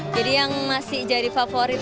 jadi yang masih jadi favorit